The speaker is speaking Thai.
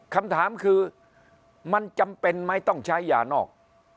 คำถามคือมันจำเป็นไหมต้องใช้ยานอก